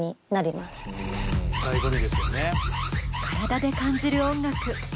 体で感じる音楽。